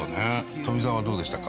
富澤はどうでしたか？